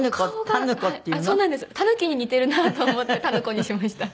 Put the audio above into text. タヌキに似てるなと思ってたぬ子にしました。